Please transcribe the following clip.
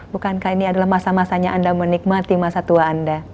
bukankah ini adalah masa masanya anda menikmati masa tua anda